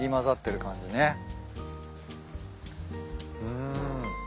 うん。